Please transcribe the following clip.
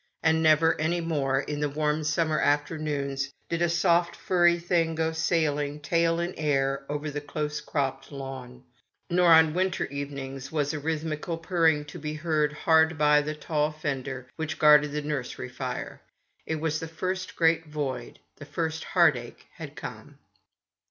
And never any more, in the warm summer afternoons, did a soft, furry thing go sailing, tail in air, over the close cropped lawn ; nor, on winter evenings, was a rhythmical purring to be heard hard by the tall fender which guarded the nursery fire. It was the first great void; the first heart ache had come.